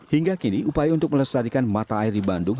hingga kini upaya untuk melestarikan mata air di bandung